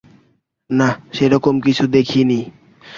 না, সেরকম কিছু দেখিনি।